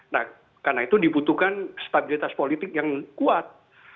nah karena itu dibutuhkan stabilitas politik yang kuat